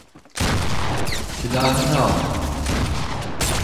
Silahını al!